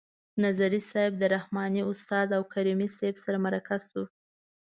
نظري صیب د رحماني استاد او کریمي صیب سره مرکه شو.